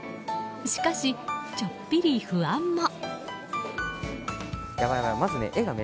しかし、ちょっぴり不安も。